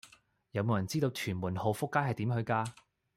有無人知道屯門浩福街係點去㗎